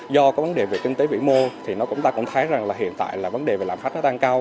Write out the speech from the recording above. do có vấn đề về kinh tế vĩ mô thì nó cũng ta cũng thấy rằng là hiện tại là vấn đề về làm khách nó tăng cao